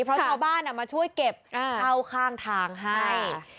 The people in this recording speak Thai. เพราะชาวบ้านมาช่วยเก็บเข้าข้างทางให้